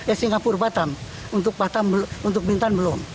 eh singapura batam untuk bintan belum